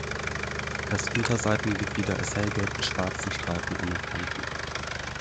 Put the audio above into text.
Das Unterseitengefieder ist hellgelb mit schwarzen Streifen an den Flanken.